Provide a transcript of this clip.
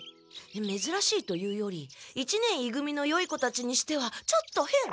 めずらしいというより一年い組のよい子たちにしてはちょっとへん！